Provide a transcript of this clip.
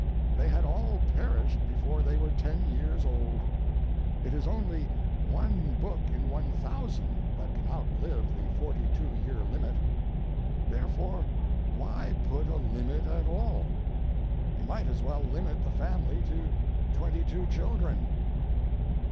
They had all perished before they were ten years old. It is only one book in 1000 that can outlive the forty two year limit. Therefore why put a limit at all? You might as well limit the family to twenty two children.